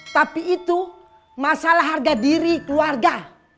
tapi itu masalah harga diri keluarga